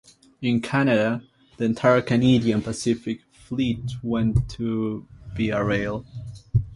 In Canada, the entire Canadian Pacific fleet went to Via Rail.